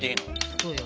そうよ